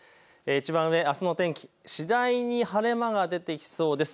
いちばん上、あすの天気、次第に晴れ間が出てきそうです。